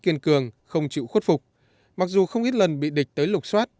kiên cường không chịu khuất phục mặc dù không ít lần bị địch tới lục xoát